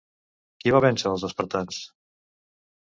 Qui va vèncer els espartans?